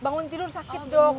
bangun tidur sakit dong